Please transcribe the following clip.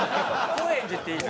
「高円寺っていいな」ね。